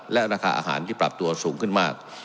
และราคาอาหารที่ปรับตัวสูงขึ้นมาก